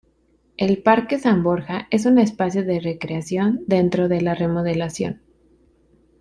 El parque San Borja es un espacio de recreación dentro de la Remodelación.